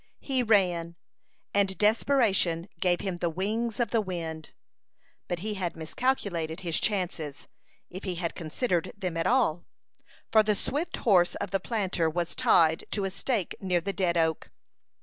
He ran, and desperation gave him the wings of the wind; but he had miscalculated his chances, if he had considered them at all, for the swift horse of the planter was tied to a stake near the dead oak.